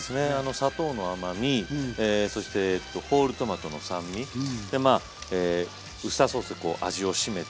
砂糖の甘みそしてホールトマトの酸味でまあウスターソースでこう味を締めて。